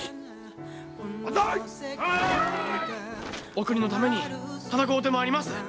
お国のために戦うてまいります！